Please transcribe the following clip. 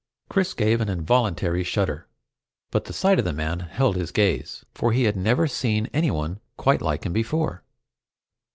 Chris gave an involuntary shudder, but the sight of the man held his gaze, for he had never seen anyone quite like him before.